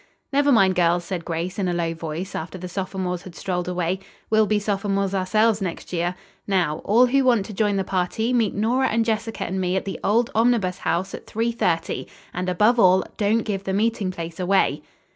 "Never mind, girls," said Grace in a low voice, after the sophomores had strolled away, "we'll be sophomores ourselves next year. Now, all who want to join the party, meet Nora and Jessica and me at the old Omnibus House at three thirty. And, above all, don't give the meeting place away."